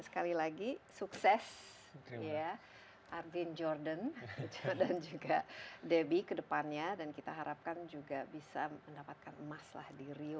sekali lagi sukses ya arvin jordan dan juga debbie kedepannya dan kita harapkan juga bisa mendapatkan emas lah di rio